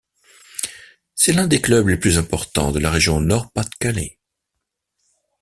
C'est l'un des clubs les plus importants de la région Nord-Pas-de-Calais.